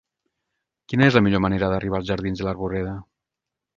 Quina és la millor manera d'arribar als jardins de l'Arboreda?